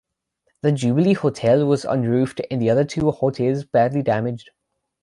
The Jubilee Hotel was unroofed and the other two hotels badly damaged.